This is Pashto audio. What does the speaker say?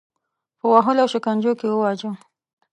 په وهلو او شکنجو کې وواژه.